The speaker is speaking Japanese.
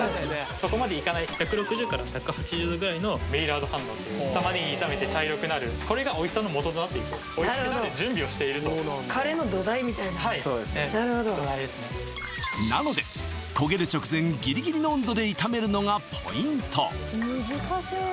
そこまでいかない１６０から１８０℃ぐらいのメイラード反応というタマネギ炒めて茶色くなるこれがおいしさのもととなっていくおいしくなる準備をしているとカレーの土台みたいななるほどそうですね土台ですねなので焦げる直前ギリギリの温度で炒めるのがポイント